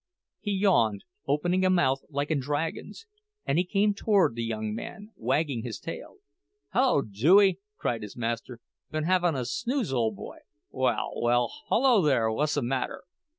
He yawned, opening a mouth like a dragon's; and he came toward the young man, wagging his tail. "Hello, Dewey!" cried his master. "Been havin' a snooze, ole boy? Well, well—hello there, whuzzamatter?"